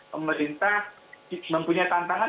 pemerintah mempunyai tantangan